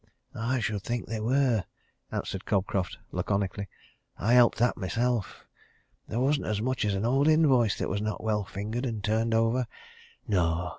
"I should think they were!" answered Cobcroft laconically. "I helped at that, myself. There wasn't as much as an old invoice that was not well fingered and turned over. No!